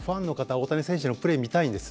大谷選手のプレーが見たいんです。